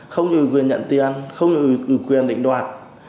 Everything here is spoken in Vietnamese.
không nhiều ủy quyền nhận tiền không nhiều ủy quyền định đoạt